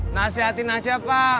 nasihatin aja pak